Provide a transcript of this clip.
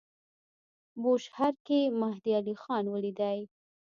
بوشهر کې مهدی علیخان ولیدی.